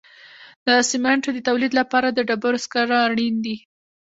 د سمنټو د تولید لپاره د ډبرو سکاره اړین دي.